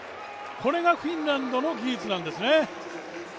これがフィンランドの技術なんですね。